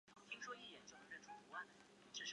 翅膀黑色。